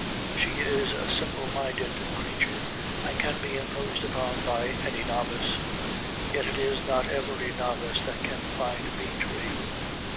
She is a simple minded creature, and can be imposed upon by any novice. Yet it is not every novice that can find a bee tree.